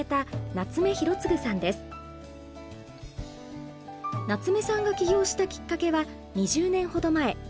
夏目さんが起業したきっかけは２０年ほど前。